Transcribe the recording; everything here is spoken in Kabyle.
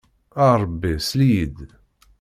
A Ṛebbi, sel-iyi-d!